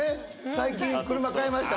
最近車買いました